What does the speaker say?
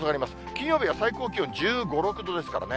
金曜日は最高気温１５、６度ですからね。